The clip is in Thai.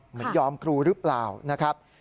เหมือนยอมครูหรือเปล่านะครับ